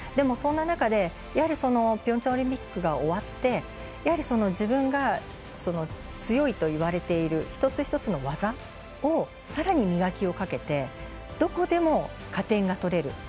そんな中でピョンチャンオリンピックが終わってやはり自分が強いといわれている一つ一つの技をさらに磨きをかけてどこでも加点が取れる。